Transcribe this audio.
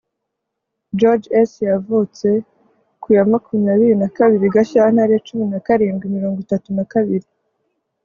George S yavutse ku ya makumyabiri na kabiri Gashyantare cumi na karindwi mirongo itatu na kabiri